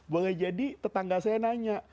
boleh jadi tetangga saya nanya